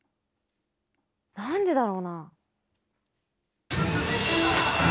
なんでだろうな？